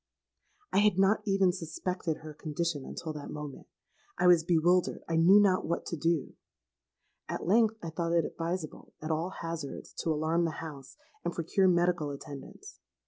"I had not even suspected her condition until that moment. I was bewildered—I knew not what to do. At length I thought it advisable, at all hazards, to alarm the house, and procure medical attendance.